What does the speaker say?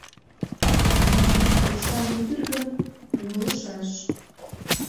Ушан ӱдыр гын, умылышаш.